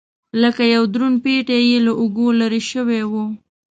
لکه یو دروند پېټی یې له اوږو لرې شوی و.